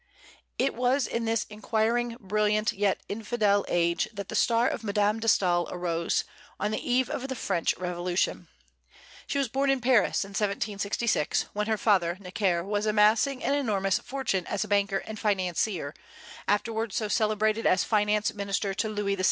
It was in this inquiring, brilliant, yet infidel age that the star of Madame de Staël arose, on the eve of the French Revolution. She was born in Paris in 1766, when her father Necker was amassing an enormous fortune as a banker and financier, afterwards so celebrated as finance minister to Louis XVI.